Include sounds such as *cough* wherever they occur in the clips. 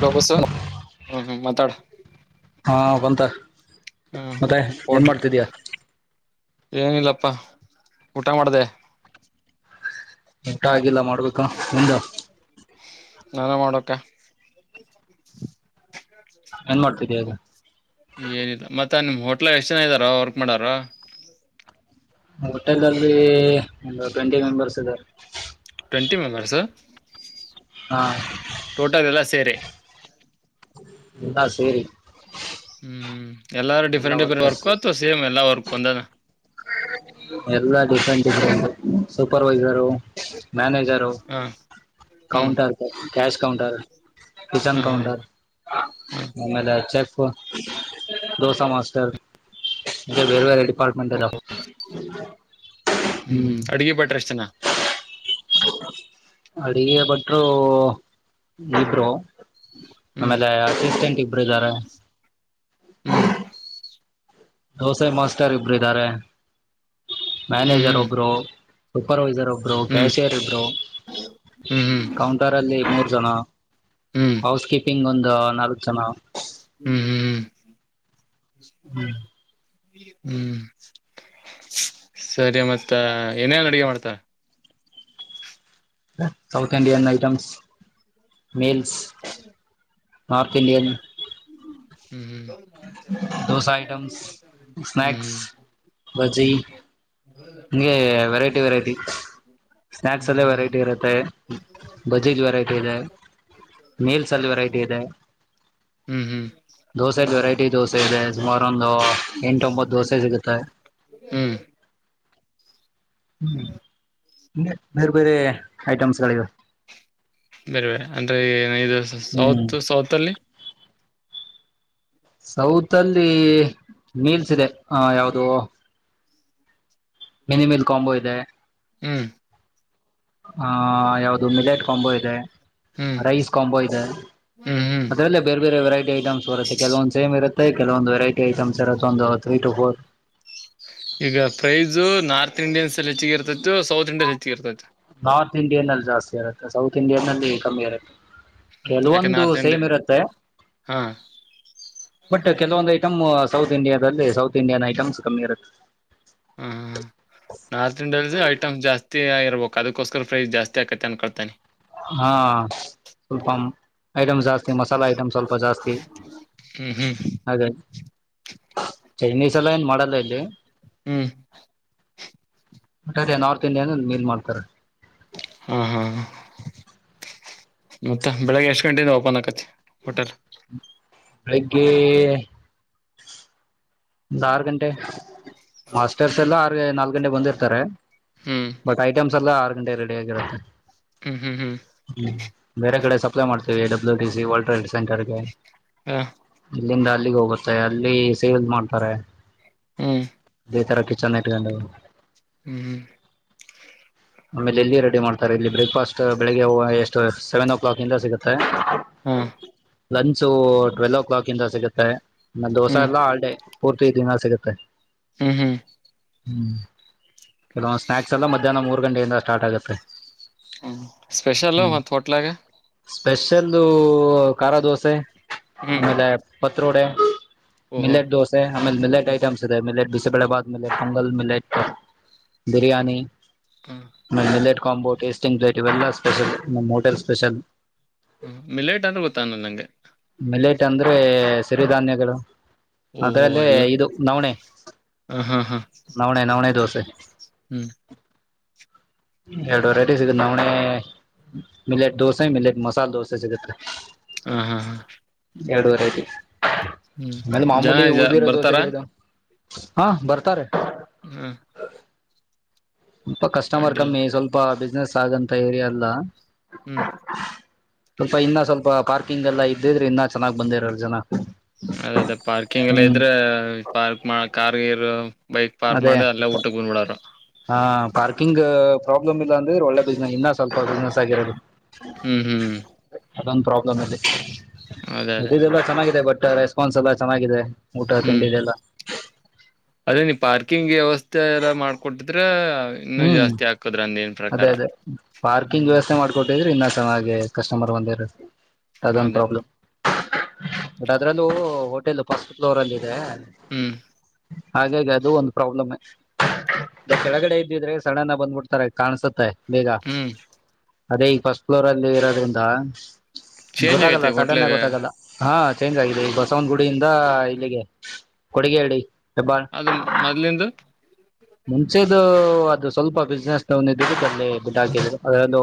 ಹ್ಮ್ ಹ್ಮ್ ಮಾತಾಡ ಹಾ ಬಂತ ಹ್ಮ ಮತ್ತೆ ಏನ್ ಹಟ್ಲ್ ಮಾಡ್ತಿದೀಯ ಏನಿಲ್ಲಪ್ಪಾ ಊಟ ಮಾಡ್ದ ಉಂಟ ಆಗಿಲ್ಲ ಮಾಡ ಮಾಡಬೇಕಾ ಒಂದ ನಾನೇ ಮಾಡೋಕ ಏನ್ ಮಾಡ್ತಿದೀಯ ಈಗ ಏನಿಲ್ಲ ಮತ್ತೆ ಮತ್ತ ನಿಮ್ ಹೋಟ್ಲ್ ಎಷ್ಟ್ ಜನ ಇದ್ದಾರ ವರ್ಕ್ ಮಾಡಾರ ಹೋಟೆಲ್ ಅಲ್ ಒಂದು ಟ್ವೆಂಟಿ ಮೆಂಬರ್ಸ್ ಇದಾರೆ ಟ್ವೆಂಟಿ ಮೆಂಬರ್ಸ ಹಾ ಟೋಟದ ಎಲ್ಲ ಸೇರೆ ಎಾ ಸರಿ ಹ್ಮ್ ಹ್ಮ ಎಲ್ಲ ಡಿಫರೆಂಟ್ ಡಿಫರೆಂಟ್ ವರ್ಕ್ಥವಾ ಸೇ್ ಎಲ್ಲ ವರ್ಕ್ ಕೊಂದನ ಎಲ್ಲಾ ಡಿಫ್ರೆಂಟ್ ಇಫ್ರ ಸೂಪರ್ವೈಸರು ಮನೇಜರು ಹ ಹ್ಮ್ ಕೌಂಟರ್ ಕ್ಯಾಶ್ ಕೌಂಟರ್ ಕಿಚನ್ ಹ ಹಾ ಕೌಂಟರ್ ಹ ಆಮೇಲೆ ಚೆಕ್ ದೋಸ ಮಾಸ್ಟರ್ ಬೇರೆ ವೆರೈಟಿ ಅಪಾರ್ಟ್ಮೆಂಟ್ದ *inaudible* ಹ್ಮ್್ಮ್ ಅಡ್ಗೆ ಬಟ್ರ ಅಷ್ಟನ ಅಡಿಗೆ ಬಟ್ರು ಇಬ್ರು ಹ್ಮ್ ಆಮೇಲೆ ಅಸಿಸ್ಟೆಂಟ್ ಇಬ್ಬರು ಇದಾರೆ ಹ್ಮ್ ದೋಸೆ ಮಾಸ್ಟರ್ ಇಬ್ರು ಇದ್ದಾರೆ ಹ್ಮ್ ಮನೇಜರ್ ಹ್ಮ್ ಒಬ್ರ ಸೂಪರ್ೈರ್ ಬ್ರ ಹ್ಮ್ ಕ್ಯಾಸಿಯರ್ ಇ ಬ್ರೋ ಹ್ಮ್ ಕೌಂಟರ್ ಅಲ್ಲಿ ಮೂರು ಜಣ ಹ್ಮ್ ಹೌಸ್ ಕೀಪಿಂಗ್ ಒಂದು ನಾಲ್ಕ ಜನ ಹ್ಮ ಹ್ಮ್ ಹ್ಮ್ ಸರಿ ಮತ್ತ ಏನಲ್ಲ ಅಡಗೆ ಮಾಡ್ತ ಸೌತ್ ಇಂಡಿಯನ್ ಐಟಮ್ಸ್ ಮೀಲ್ಸ್ ಹಾತಿಲ್ಲಿ ಹ್ಮ್ ದೋಸಾ ಐಟಮ್ಸ್ ಸ್ನಾಯಕ್ಸ್ ಹ್ಮ್ ಬ್ಜಿ ಹ್ಮ್ ಹ್ಮ್ ಹಂಗೆ ವೆರೈಟಿ ವೆರೈಟಿ ಸ್ನಾಯಕ್ಸ್ ಹ್ಮ್ ಅಲ್ಲಿ ಹ್ಮ್ ವೆರೈಟಿ ಇರುತ್ತೆ ಬಜೀಜ್ ವೆರೈಟಿ ಇದೆ ಮೀಲ್ಸ್ ಅಲ್ಲಿ ವೆರೈಟಿ ಇದೆ ಹ್ಮ್ ಹ್ಮ್ ಹ್ಮ್ ದೋಸೆ ವೆರೈಟಿ ದೋಸೆ ಇದೆ ಸುಮಾರ ಒಂದು ಎಂಟೊಂಬತ್ತು ದೋಸೆ ಸಿಗುತ್ತೆ ಹ್ಮ್ ಹ್ಮ್ ಬೇರೆ ಬೇರೆ ಐಟಮ್ಸ್ಗಳಿವ ಬೇರೆ ಬೇರೆ ಅಂದ್ರೆ ಇದು ಹ್ಮ್ ಸೌತ್ ಸೌತ್ ಅಲ್ಲಿ ಸೌತ್ ಅಲ್ಲಿ ಮೀಲ್ಸ್ ಇದೆ ಹ ಯಾವ್ದ ಮಿನಿಮಿಲ್ ಕಾಂಬೋ ಇದೆ ಹ್ಮ್ ಹ ಯಾವುದು ಮಿಲೆಟ್ ಕಾಂಬೋ ಇದೆ ಹ್ಮ್ ರೈಸ್ ಕಾಂಬೋ ಇದೆ ಹ್ಮ್ ಹ್ಮ್ ಅದರಲ್ಲ ಬೇರೆ ಬೇರೆ ವೆರೈಟಿ ಐಟಮ್ಸ್ ಬತ್ತೆ ಕೆಲವಂದು ಸೇಮ್ರುತ್ತೆ ಕೆಲೊಂದು ವೆೈಿ ಐ ಅ್ರದ ಒಂದು ತ್ರ ಟ ಫೋರ್ ಈಗ ಪ್ರೈಜು ನಾರ್ತ್ ಇಂಡಿಯನ್ಸ್ ಅಲ್ಲಿ ಹೆಚ್ಚಿಗೆ ಇರ್ತ್ತ ಇ ಸೌತ್ ಇಂಡಿಯಾ ಹೆೆಚ್ಚಿರ್ತೈತೆ ನಾರ್ತ್ ಇಂಡಿಯನ್ ಅಲ್ಲಿ ಜಾಸ್ತಿ ಇರುತ್ತೆ ಸೌತ್ ಇಂಡಿಯನ್ಲ್ಲಿ ಕಮ್ಮಿ ಇರುತ್ತೆ ಹ್ಮ್ ಯಾಕೆ ಕೆಲವೊಂದು ನಾರ್ತ್ ಸೇಮ್ ಇಂಡಿಯನ್ ಇರುತ್ತೆ ಹಾ ಬಟ್ ಕೆಲವೊಂದು ಐಟಮ್ ಸೌತ್ ಇಂಡಿಯಾದಲ್ಲಿ ಸೌತ್ ಇಂಡಿಯನ್ ಐಟಮ್ಸ್ ಕಮ್ಮಿ ಇರುತ್ತೆ ಹಾ ನಾರ್ತ್ ಇಂಡಿಯಲ್ ಐಟಮ್ ಜಾಸ್ತಿ ಆಗ ಒಕ್ಕದಕ್ಕೋಸ್ಕರ ಫೈ ಜಾಸ್ತಿ ಆಾತೆ ಅನ್ಕಳ್ತಾನೆ ಹಾ ಸ್ವಲ್ಪ ಐಟಮ್ಸ್ ಜಾಸ್ತಿ ಮಸಾಲಾ ಐಟಮ್ಸ್ ಸ್ವಲ್ಪ ಜಾಸ್ತಿ ಹ್ಮ್ ಹ್ಮ್ ಅದೇ ಚೈನೀಸ್ ಎಲ್ಲ ಏನ್ ಮಾಡಲ್ಲ ಇಲ್ಲಿ ಹ್ಮ್ ಮಟಟ ನಾರ್ತ್ ಇಂಡಿಯನ್ ಮೀನ್ ಮಾಡ್ತಾರೆ ಹಾ ಹಾ ಮತ್ತ ಬೆಳಿಗ್ಗೆ ಎಷ್ಟ ಗಂಟೆಯಿಂದ ಓಪನ್ ಆಕತ್ತ ಹೋಟಲ್ ಬೆಳಿಗ್ಗೆ ಆರು ಗಂಟೆ ಮಾಸ್ಟರ್ಸ್ ಎಲ್ಲ ಆರ್ ನಾಲ್ಕ ಗಂಟೆ ಬಂದಿರ್ತಾರೆ ಹ್ಮ್ ಬಕ ಐಟಮ ಸಲ ಆರು ಗಂಟೆ ರೆಡಿ ಆಗಿರುತ್ತೆ ಹ್ಮ್ ಹ್ಮ್ ಹ್ಮ್ ಹ್ಮ ಬೇರೆ ಕಡೆ ಸಪ್ಲೈ ಮಾಡ್ತೇವಿ ಡಬ್ಯೂ ಟ ಸಿ ವರ್ಲ್ಡ್ ಟ್ರಡ್ ಸೆಂಟರ್ಗೆ ಹಾ ಇಲ್ಲಂದ ಹೋಗುತ್ತೆ ಅಲ್ಲಿ ಸೇವ ಮಾಡ ಹ್ಮ್ ಅೇತಿರಕ್ಕೆ ಚನ್ನ ಕ ಹ್ಮ್ ಹ್ಮ್ ಆಮೇಲೆ ಇಲ್ಲಿ ರೆಡಿ ಮಾಡ್ತಾರೆ ಇಲ್ಲಿ ಬ್ರೇಕ್ಫಾಸ್ಟ್ ಬೆಳಿಗ್ಗೆ ಎಷ್ಟು ಸೆವೆನ್ ಕ್ಲಾಕ್ ಇಂದ ಸಿಗುತ್ತೆ ಹಾ ಲಂಚ ಟ್ವೆಲ್ವ ಕ್ಲಾಕ್ ಇಂದ ಸಿಗುತ್ತೆ ದೋಸೆ ಹ್ಮ್ ಎಲ್ಲ ಹಾಲ್ಡೇ ಪೂರ್ತಿ ದಿಂದ ಸಿಗುತ್ತೆ ಹ್ಮ್ ಹ್ಮ್ ಹ್ಮ ಕೆಲ ಸ್ನಾಯಕ್ಸ್ ಎಲ್ಲ ಮಧ್ಯಾಹ್ನ ಮೂ *unintelligible* ಮೂ ಗಂಟೆಯಿಂದ ಸ್ಟಾರ್ಟ್ ಆಗುತ್ತೆ ಸ್ಪೆಷಲ್ ಮತ್ತ ಹೋಟ್ಲಾಗ ಸ್ಪೆಷಲ್ದು ಖಾರ ದೋಸೆ ಹ್ಮ್ ಮದೆ ಪತ್ರೋಡೆ ಓಹೋ ಮಿಲೆಟ್ ದೋಸೆ ಆಮೇಲೆ ಮಿಲೆಟ್ ಹ್ಮ್ ಐಟಮ್ಸ್ ಇದೆ ಮಿಲೆಟ್ ಬಿಸಿಬಳೆಬಾದ್ ಮಿಲೆಟ್ ಮೊಂಗಲ್ ಮಿಲೆಟ್ ಬಿರಿಯಾನಿ ಹಾ ನ ಮಿಲೆಟ್ ಕಾಂಬೋ ಟೇಸ್ಟಿಂಗ್ ಪ್ಲೇಟ್ ಇವೆಲ್ಲ ಸ್ಪೆಷಲ್ ನಮ್ಮ್ ಹೋಟೆಲ್ ಸ್ಪೆಷಲ್ *unintelligible* ಮಿಲೇಟ್ ಅಂದರು ಗೊತ್ತ ಅ ನಂಗೆ ಮಿಲೇಟ್ ಅಂದ್ರೆ ಸಿರಿ ಧಾನ್ಯಗಳು ಓಹೋ ಅದ್ರಲ್ಲೇ ಎಲ್ಲ ಇದು ನವಣೆ ಹ ಹ ಹಾ ಹಾ ನವಣ ನವಣ ದೋಸ ಹ್ಮ್ ಎರಡು ವೆರೈಟಿ ಸಿಗತ್ ನಾವಣೆ ಮಿಲೆಟ್ ದೋಸೆ ಮಿಲೆಟ್ ಮಸಾಲೆ ದೋಸೆ ಸಿಗತ್ ಹ ಹಾ ಹಾ ಎರಡು ವೆರೈಟಿ ಹ್ಮ್ ಅಂದ ಜನ ಮಾಮೂಲಿ ಜ ಉಊದಿರೋ ಬರ್ತಾರ ದೋಸೆಗಳಿದಾವ ಹಾ ಬರ್ತಾರೆ ಹ್ಮ ಸ್ಲ್ಪ ಕಸ್ಟಮರ್ ಕಮ್ಮಿ ಸ್ವಲ್ಪ ಬ ಬಿಸ್ಿನನೆಸ್ ಆಗಂತ ಏರಿಯ ಅಲ್ಲ ಹ್ಮ್ ಸ್ವಲ್ಪ ಇನ್ನ ಸ್ವಲ್ಪ ಪಾರ್ಕಿಂಗ್ ಎಲ್ಲ ಇದಿದ್ರೆ ಇನ್ನ ಚೆನ್ನ್ ಬಂದಿರ ಜನ ಅದ ಅದೇ ಪಾರ್ಕಿಂಗ್ ಎಲ್ಲ ಹ್ಮ್ ಇದ್ರೆ ಪಾರ್ಕ್ ಕಾರ್ಗರು ಬೈಕ್ ಪಾರ್ಕ್ ಅದೇ ಮಾಡಿ ಅಲ್ಲೇ ಊಟಕ್ಕೆ ಕು ಬಂದ್ಬಿಡರು ಹಾ ಪಾರ್ಕಿಂಗ್ ಪ್ರಾಬ್ಲಮ್ ಇಲ್ಲ ಅಂದ್ರೆ ಒಳ್ಳೆ ಬಿಸ್ನೆಸ್ ಇನ್ನ ಸ್ವಲ್ಪ ಬಿಸ್ನೆಸ್ ಆಗಿರೋದು ಹ್ಮ್ ಹ್ಮ್್ಮ ಅದೊಂದು ಪ್ರಾಬ್ಲಮ್ ಅಲ್ಲಿ ಅದೇ ಮದದೆಲ್ಲ ಚೆನ್ನಾಗಿದೆ ಬಟ್ ರೆಸ್ಪಾನ್ಸ್ ಎಲ್ಲ ಚೆನ್ನಾಗಿದೆ ಊಟ ಹ್ಮ್ ತಿಂಡಿದೆಲ್ಲ ಅದೇ ನೀ ಪಾರ್ ಕುಕ್ಕಿಂಗ್ ವ್ಯವಸ್ಥೆ ಎಲ್ಲ ಮಾಡ್ಕೊಟ್ಟಿದ್ರೆ ಇನ್ನೂ ಹ್ಮ್ ಜಾಸ್ತಿ ಹಾಕದ್ರ ಅಂದೇನ್ ಅದೇ ಪ್ರಕಾರ ಅದೇ ಪಾರ್ಕಿಂಗ್ ಹ್ಮ್ ವ್ಯವಸ್ಥೆ ಮಾಡ್ಕೊ ್ರಿ ಇನ್ನ ಸ ಹಾಗೆ ಕಸ್ಟಮರ್ ಒಂದ ದ ಒಂದು ಅದೇ ಪ್ರಾಬ್ಲ್ ಬಟ್ ಅದ್ರಲ್ಲೂ ಹೋಟೆಲ್ ಫಸ್ಟ್ ಫ್ಲೋರ್ ಅಲ್ಲಿ ಇದೆ ಹ್ಮ್ ಹಾಗಾಗಿ ಅದು ಒಂದು ಪ್ರಾಬ್ಲಮ್ ಕೆಳಗಡೆ ಿದ್ರೆ ಸಡನ್ ಬಂದ್ಬಿಡ್ತಾರೆ ಕಾಣಸುತ್ತೆ ಬೇಗ ಹ್ಮ್ ಅದೇ ಈ ಫಸ್ಟ್ ಫ್ಲೋರ್ ಅಲ್ಲಿ ಇರೋದ್ರಿಂದ ಚೇಂಜ್ ಗೊತ್ತಾಗಲ್ಲ ಆಗೈತೆ ಸಟನ್ ಹೋಟ್ಲಾಗ ಗೊತ್ತಾಗಲ್ಲ ಹಾ ಚೇಂಜ್ ಆಗಿದೆ ಬಸವನಗುಡಿಯಿಂದ ಇಲ್ಲಿಗೆ ಕೊಡುಗೆಹಳ್ಳಿ ಅದು ಮೊದ್ಲಿಂದು ಮುಂಚೆದುು ಅದು ಸ್ವಲ್ಪ ಬಿಸ್ನೆಸ್ ಇದ ಅಲ್ಲಿ ಬಿಡ್ ಹಾಕಿದ ಅದಂದು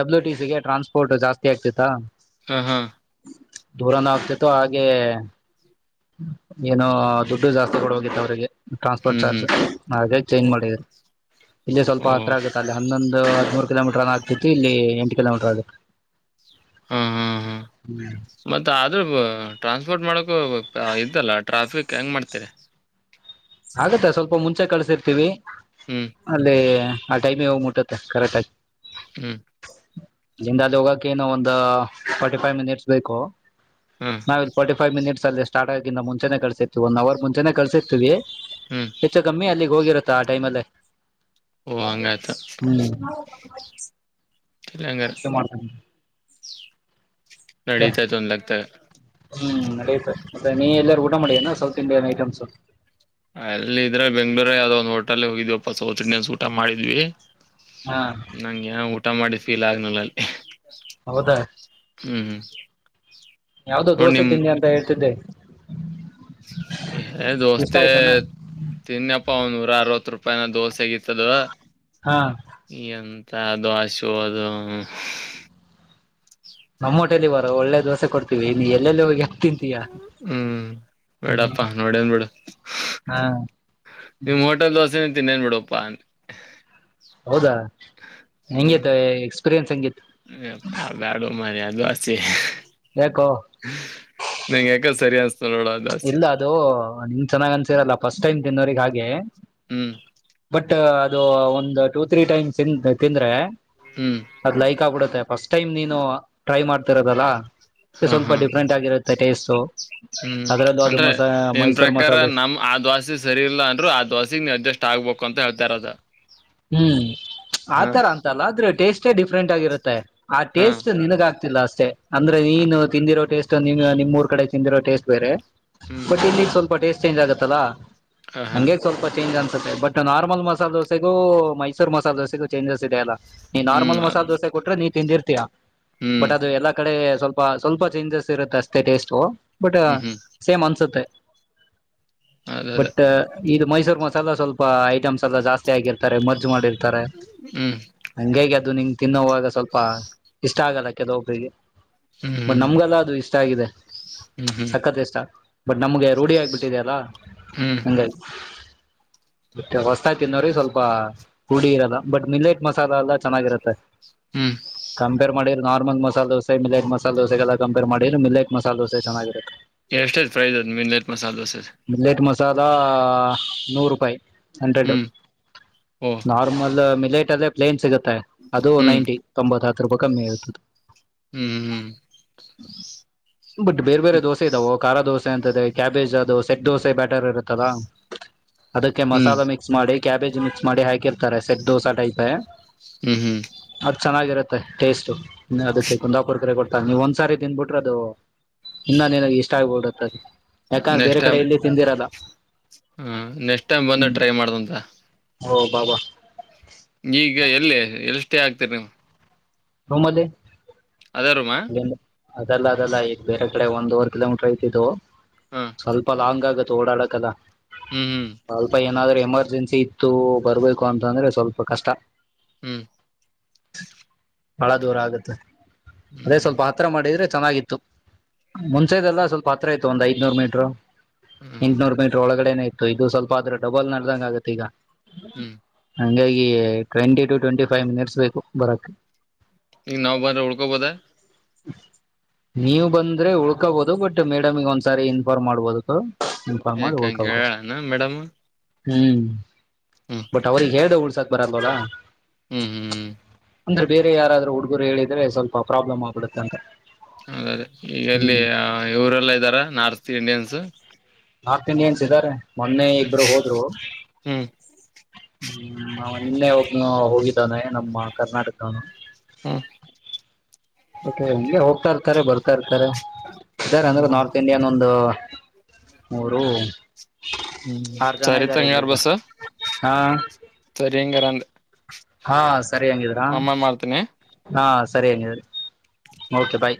ಡಬ್ಲ್ಯೂ ಟ ಸಿಗೆ ಟ್ರಾನ್ಸ್ಪೋರ್ಟ್ ಜಾಸ್ತಿ ಆಗ್ತಿತ್ತಾ ಹಾ ಹಾ ದೂರನ ಆಗ್ತಿತ್ತು ಹಾಗೆ ಏನೋ ದುಡ್ಡು ಜಾಸ್ತಿ ಕೊಡ ಹೋಗಿತ್ತು ಅವ್ರಿಗೆ ಟ್ರಾನ್ಸ್ಪೋರ್ಟ್ ಹ್ಮ್ ಚಾರ್ಜ್ ಹ್ಮ್ ಹಾಗೆ ಚೇಂಜ್ ಮಾಡಿದ್ರು ಇಲ್ಲಿ ಸ್ವಲ್ಪ ಓ ಹತ್ರರ ಆಗುತ್ತ ಅಲ್ಲಿ ಹನ್ನೊಂದು ಹದೂರು ಕಿಲೋಮೀಟರ್ ನ್ ಆಗ್ತಿತ್ತು ಇಲ್ಲಿ ಎಂಟ ಕಿಲೋಮೀಟರ್ ಆಗತ್ತು ಹಾ ಹಾ ಹಾ ಮತ್ತ ಆದ್ರ ಟ್ರಾನ್ಸ್ಪೋರ್ಟ್ ಮಾಡಕ ಇದ್ದಲ್ಲ ಟ್ರಾಫಿಕ್ ಹೆಂಗ್ ಮಾಡ್ತೀರಿ ಆಗತ್ತೆ ಸ್ವಲ್ಪ ಮುಂಚೆ ಕಳ್ಸಿರ್ತೀವಿ ಹ್ಮ್ ಅಲ್ಲಿೇ ಆಟೈಮ್ ಎವ್ ಮಟ ತಖರತ ಹ್ಮ್ ಇಲ್ಲಿಂದ ಅಲ್ಲಿ ಹೋಗಕ ಏನು ಒಂದು ಫಾರ್ಟಿ ಫೈವ್ ಮಿನಿಟ್ಸ್ ಬೇಕು ಹ್ಮ್ ನ ಫೋರ್ಟಿಫೈ್ ಮಿನಿಟ್ ಲ್ಲಿ ಸ್ಟಾರ್ಟ್ ಆಗ ಮುಂಚೆ ಕಳಸರ್ತಿವಿ ಒನ್ ಅವರ್ ಮುಚೆ ಕಳಸರ್ತತಿವಿ ಹ್ಮ್ ಹೆ ಕಮ್ಮ ಅಲ್ಲಿ ಹೋಗಿರತ್ತಾ ಆ ಟೈಮ್ ಅಲ್ಲೇ ಓ ಹಂಗಾಯ್ತು ಹ್ಮ್ ಇಲ್ಲ ಹಂಗಾರ ಮಾಡ ನಡೀತಾ ತೊಂದ ಆಗ್ತದೆ ಹ್ಮ್ ನಡೆಯುತ್ತೆ ಮತ್ತೆ ನೀ ಎಲ್ಲರೂ ಊಟ ಮಾಡಿನ ಸೌತ್ ಇಂಡಿಯನ್ ಐಟಮ್ಸ್ ಅಲ್ಲ ಇದ್ರೆ ಬೆಂಗಳೂ ಯಾವ್ದೋ ಒಂದ್ ಹೋಟೆಲ್ ಹೋಗ್ವಪ್ಪಾ ಸೌಚಣ್ಯನ್ ಊಟ ಮಾಡಿದ್ವಿ ಹ ಹಾ ನಂಗೆ್ಯಾ ಊಟ್ಟ ಊಟ ಮಾಡಿ ಫೀಲ್ ಆಗನಲ್ಲಿ ಹೌದಾ ಹ್ಮ್ ಹ್ಮ ಯಾವ್ದೋ ದೋಸೆ್ದನ್ನಿ ಅಂತ ಹೇಳ್ತಿದ್ದೆ ಇಷ್ಟ ದೋಸ್ತೆ ಆಯ್ತಾನ ತಿನ್ಯ ಪಾವನ್ರ ಅರವತ್ತು ರೂಪಾಯಿನ ದೋಸಗತ್ತು ತದು ಹಾ ಎಂತ ಎಂಥ ದ್ವಾಸಿಯೋ ಅದು ನಮ್ಮ ಹೊಟೇಲಿ ಬಾರೋ ಒಳ್ಳೆ ದೋಸೆ ಕೊಡ್ತೀವಿ ನೀ ಎಲ್ಲೆಲ್ಲಿ ಹೋಗಿ ಹತಿ ಹೂ ಬೇಡಪ್ಪಾ ನೋಡೇನ್ ಬಿಡು ಹಾ ನಿಮ್ ಹೋಟೆಲ್ ದೋಸೆ ತಿಂದೆನ ಬಿಡಪ್ಪಾ ಅಂತ ಹೌದಾ ಹೆಂಗೈತೆ ಎಕ್ಸ್ ಪಿರಿಯನ್ಸ್ ಹೆಂಗಿತ್ತು ಎಪ್ಪಾ ಬ್ಯಾಡೋ ಮಾರಯ್ಯ ದ್ವಾ ಸಿ ಯಾಕೋ ನಂಗ್ ಯಾಕೋ ಸರಿಆನ್ಸ್- ಇಲ್ಲ ಅದು ನಿನ್ ಚೆನ್ನಾಗ ಅನ್ಸಿರಲ್ಲ ಫಸ್ಟ್ ಟೈಮ್ ತಿನ್ನೋರಿಗೆ ಹಾಗೆ ಹ್ಮ್ ಬಟ್ ಅದು ಒಂದು ಟೂ ತ್ರೀ ಟೈಮ್ಸ್ ತಿಂದ್ರೆ ಹ್ಮ್ ಅದ ಲೈಕ್ ಆಗಿ ಕೊಡುತ್ತೆ ಪಸ್ ಟೈಮ್ ನೀನು ಟ್ರೈ ಮಾಡ್ತಿರೋದಲ್ಲಾ ಹಾ ಸ್ವಲ್ಪ ಹಾ ಡಿಫ್ರೆಂಟ್ ಆಗಿರುತ್ತೆ ಟೇಸ್ಟು ಹ್ಮ್ ಅದರಲ್ಲೂ ಅದು ಅಂದ್ರೆ ಮಸ ನಿಮ್ ಮೈಸೂರು ಪ್ರಕಾರ ಮಸಾಲೆ ನಮ್ ಆ ದ್ವಾಸಿ ಸರಿ ಇಲ್ಲ ಅಂದ್ರು ಆ ದ್ವಾಸಿ ನೀ ಅಡ್ಜಸ್ಟ್ ಆಗ್ಬೇಕು ಕೊಂತ ಹೇಳ್ತಾರ ಅದ ಹೂ ಆತರ ಅಂತಲ್ಲ ಆದ್ರೆ ಟೇಸ್ಟ್ ಷ್ಟೇ ಡಿಫ್ರೆಂಟ್ ಆಗಿರುತ್ತೆ ಆ ಹಾ ಟೇಸ್ಟ್ ನಿನಗ ಆಗ್ತಿಲ್ಲ ಅಷ್ಟೇ *unintelligible* ಅಂದ್ರೆ ಹಾ ನೀನು ತಿಂದಿರೋ ಟೇಸ್ಟ್ ನಿಮ್ಮೂರು ಕಡೆ ತಿಂದಿರೋ ಟೇಸ್ಟ್ ಬೇರೆ ಹ್ಮ್ ಬಟ್ ಇಲ್ಲಿ ಸ್ವಲ್ಪ ಟೇಸ್ಟ್ ಚೇಂಜ್ ಆಗತ್ತಲ್ಲಾ ಹಾ ಹಾ ಹಂಗೆ ಸ್ವಲ್ಪ ಚೇಂಜ್ ಅಂತ ಬಟ್ ನಾರ್ಮಲ್ ಮಸಾಲೆ ದೋಸೆ ಇಗೂ ಮೈಸೂರು ಮಸಾಲೆ ದೋಸೆಗೂ ಚೇಂಜಸ್ ಇದೆ ನೀ ಹ್ಮ್ ನಾರ್ಮಲ್ ಅದ್ ಮಸಾಲೆ ದೋಸೆ ಕೊಟ್ರೆ ನೀ ತಿಂದಿರ್ತೀಯಾ ಹ್ಮ್ ಬಟ್ ಅದು ಎಲ್ಲಾ ಕಡೆ ಸ್ವಲ್ಪ ಸ್ವಲ್ಪ ಚೇಂಜಸ್ ಇರುತ್ತೆ ಅಷ್ಟೇ ಟೇಸ್ಟು ಬಟ್ ಹ್ಮ್ ಹ್ಮ್ ಸೇಮ್ ಅನ್ಸುತ್ತೆ ಅದ್ ಅದೇ ಬಟ್ ಇದು ಮೈಸೂರು ಮಸಾಲ ಸ್ವಲ್ಪ ಹಮಸ ರಜಾಸ್ *unintelligible* ಆಗಿತ ಮ್ ಮಾಡಿ *unintelligible* ತರೆ ಹ್ಮ್ ಹಂಗಾಗಿ ಅದು ನಿಂ ತಿನ್ನವಾಗ ಸ್ವಲ್ಪ ಇಷ್ಟ ಆಗಲ್ಲ ಕೆಲವೊಬ್ಬರಿಗೆ ಹ್ಮ್ ಬಟ್ ಹ್ಮ್ ನಮ್ಗೆಲ್ಲ ಅದು ಇಷ್ಟ ಆಗಿದೆ ಹ್ಮ್ ಹ್ಮ್ ಸಕ್ಕತ್ ಇಷ್ಟ ಬಟ್ ನಮ್ಗೆ ರೂಢಿ ಆಗ್ಬಿಟ್ಟಿದೆಯಲ್ಲಾ ಹ್ಮ್ ಹಿಂಗಾಗಿ ಮತ್ತೆ ಹೊಸ್ತಾಗಿ ವ್ರಿ ಸ್ವಲ್ಪ ಪುಡಿ ಇರಲ್ಲ ಬಟ್ ಮಿಲೆಟ್ ಮಸಾಲ ಎಲ್ಲಾ ಚೆನ್ನಾಗಿರುತ್ತೆ ಹ್ಮ್ ಕಂಪೇರ್ ಮಾಡಿರ ನಾರ್ಮಲ್ ಮಸಾಲಾ ದೋಸೆ ಮಿಲೆಕ್ ಮಸಾಲೆ ದೋಸೆಗೆಲ್ಲ ಕಂಫೆರ್ ಮಾಡಿದೆ ಮಿಲೆಕ್ ಮಸಾಲ ದೋಸೆ ಚನ್ನಗಿರುತ್ತೆ ಎಷ್ಟೇ್ ಫ್ರೈ್ ಮಿಲೆಟ್ ಮಸಾಲ ದೋಸೆ ಸಾದಾ ನೂರು ರೂಪಾಯಿ ಹಂಡ್ರೆಡ್ ಹ್ಮ್ ಓ ನಾರ್ಮಲ್ ಮಿಲೆಟ್ ಅಲ್ಲೇ ಪ್ಲೇನ್ ಸಿಗು ಅದು ಹ್ಮ್ ನೈನ್ಟಿ ತೊಂಬತ್ ಹ ಹತ್ತು ರೂಪಾಯಿ ಕಮ್ಮಿ ಆಗತದೆ ಹ್ಮ್್ಮ ಹ್ಮ್ ಬಟ್ ಬೇರೆ ಬೇರೆ ದೋಸೆ ಇದಾವ ಖಾರ ದೋಸೆ ಂತ ಕ್ಯಾಬೇಜ್ ಅದು ಸೆಟ್ ದೋಸೆ ಬ್ಯಾಟರ್ ಇರುತ್ತಲ್ಲ ಅದಕ್ಕೆ ಹ್ಮ್ ಮಸಾಲ ಮಿಕ್ಸ್ ಮಾಡಿ ಕ್ಯಾಬೇಜ್ ಮಿಕ್ಸ್ ಮಾಡಿ ಹಾಕಿರ್ತಾರೆ ಸೆಟ್ ದೋಸಾ ಟೈಪ್ ಹ್ಮ್ ಹ್ಮ್ ಮ ಟೇಸ್ಟ್ ಅದಕ್ಕೆ ಕುಂದಾಪುರ ಕರೆ ಕೊಡ್ತಾರೆ ನೀವ್ ಒಂದ್ಸಾರಿ ತಿಂದಬಿಟ್ಟರೆ ಅದು ಇನ್ನ ನಿನಗೆ ಇಷ್ಟ ಆಗ್ಬೋಡತ್ತ ಯಾಕಂದ್ರೆ ಬೇರೆ ಕಡೆ ಎಲ್ಲಿ ತಿಂದಿರಲ್ಲ ಹ್ಮ ನೆಕ್ಸ್ಟ್ ಟೈಮ್ ಬಂದ ಹ್ಮ್ ಟ್ರೈ ಮಾಡ್ದಂತ ಓ ಬಾ ಬಾ ಈಗ ಎಲ್ಲೇ ಎಷ್ಟೇ ಆಗ್ತರಿ ನೀವು್ ರೂಮಲ್ಲಿ ಅೇ ರೂಮ ಅದಲ್ಲ ಅದಲ್ಲ ಈ ಬೇರೆ ಕಡೆ ಒಂದ್ವರ್ ಕಿಲೋಮೀಟರ್ ಐ್ತಿದ್ದು ಹಾ ಸ್ವಲ್ಪ ಲಾಂಗ್ ಆಗುತ್ತೆ ತೋಡಡಕ್ಕದಾ ಹ್ಮ್ ಹ್ಮ್ ಅಾಲ್ಪ ಏನಾದ್ರೂ ಹೆ ರ್ಜೆನ್ಸಿ ಇತ್ತು ಬರ್ಬೇಕು ಅಂತ ಅಂದ್ರೆ ಸ್ವಲ್ಪ ಕಷ್ಟ ಹ್ಮ್ ಬಹಳ ದೂರ ಆಗತ್ತೆ ಅದೇ ಹ್ಮ್ ಸ್ವಲ್ಪ ಆಥರ ಮಾಡಿದ್ರೆ ಚೆನ್ನಾಗಿತ್ತು ಮುಂಚೆದೆಲ್ಲ ಸ್ವಲ್ಪ ಹತ್ರ ಇತ್ತು ಒಂದ್ ಐದ್ನೂರ್ ಮೀಟರು ಹ್ಮ್ ಎಂಟುೂರು ರೂಪಾಯಿ ಒಳಗೆ ಕಡೆನ ಇತ್ತು ಇದು ಸ್ವಲ್ಪ ಆದ್ರೆ ಡಬಲ್ ನಡ್ದಂಗ ಆಗುತ್ತೆ ಈಗ ಹ್ಮ್ ಹಂಗಾಗಿ twenty to twenty five minutes ಬೇಕು ಬರಕ್ಕೆೆ ಈಗ ನಾವವು ಬ್ರ ಉಳ್ಕೊಬೋದ ನೀವು ಬಂದ್ರೆ ಉಳ್ಕೋಬಹದು ಬಟ್ ಮೇಡಮಿಗೆ ಒಂದ್ಸಾರಿ ಇನ್ಫಾರ್ಮ್ ಮಾಡ್ಬೋದು ಇನ್ಫಾರ್ಮ್ ಮಾಡಿ ಯಾಕಂಗ ಉಳ್ಕೋಬಹುದು ಹೇಳಣ ಮೇಡಮ್ ಹ್ಮ್ ಹ್ಮ್ ಬಟ್ ಅವರಿ ಹೇಳ್್ದೌ ಬರಬಲ ಹ್ಮ್ ಹ್ಮ್ ಹ್ಮ್ ಅಂದ ಬೇರೆ ಯಾರಾದರು ಹುಡುಗರು ಹೇಳಿದ್ರೆ ಸ್ವಲ್ಪ ಪ್ರಾಬ್ಲಮ್ ಆಗ್ಬಿಡುತ್ತ ಅಂತ ಅೆ ಈಗಲ್ಲಿ ಹ್ಮ್ ಇವರೆಲ್ಲ ಇದ್ದಾರ ನಾರ್ತ್ ಇಂಡಿಯನ್ಸ್ ನಾರ್ತ್ ಇಂಡಿಯನ್ಸ್ ಇದ್ದಾರೆ ಮೊನ್ನೆ ಹ್ಮ್ ಇಬ್ರು ಹೋದ್ರು ಹ್ಮ್ ಹ್ಮ್ ನಾವನ್ನೆ ಹೋಗ ಹೋಗಿದವಾನೇ ನಮ್ಮ ಕರ್ನಾಟಕನು ಹ್ಮ್ ಮತ್ತೆ ಹಗೆ ಹೋಗ್ತಾ ಇರ್ತಾರೆ ಬರ್ತಾ ಇರ್ತಾರೆ ಇದರ್ ಅಂದ್ರೆ ಹ್ಮ್ ನಾರ್ತ್ ಇಂಡಿಯನ್ ಒಂದು ಮೂರು ಹ್ಮ್ ಆರು ಜನ ಸರಿ ಇದ್ದಾರೆ ತಂಗಾರ ಇಲ್ಲಿಗ ಬಸ್ಸ ಹಾ ಸರಿಂಗಾರ ಅಂದ ಹಾ ಸರಿ ಹಂಗಿದ್ರ ಅಮ್ಮ ಮಾಡ್ತೀನಿ ಹಾ ಸರಿ ಓಕೆ ಬಾಯ್